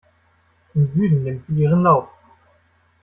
Im Süden nimmt sie ihren Lauf.